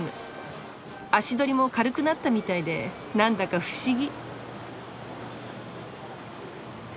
足取りも軽くなったみたいでなんだか不思議！